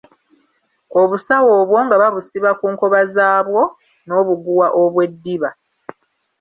Obusawo obwo nga bubusiba ku nkoba zaabwo n'obuguwa obw'eddiba.